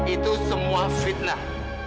itu semua fitnah